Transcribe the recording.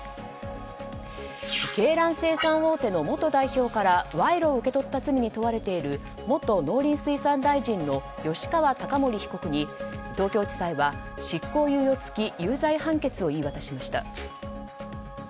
鶏卵生産大手の元代表から賄賂を受け取った罪に問われている元農林水産大臣の吉川貴盛被告に東京地裁は執行猶予付き有罪判決を言い渡しました。